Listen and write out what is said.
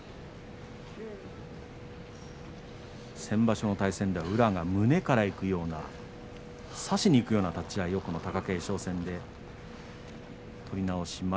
先場所の対戦では宇良が胸からいくような差しにいくような立ち合い貴景勝戦で取り直し